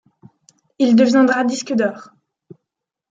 Il deviendra disque d'or.